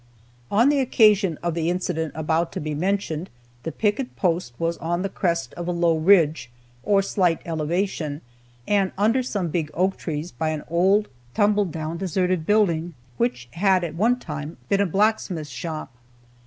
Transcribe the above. On the occasion of the incident about to be mentioned, the picket post was on the crest of a low ridge, or slight elevation, and under some big oak trees by an old tumble down deserted building which had at one time been a blacksmith shop.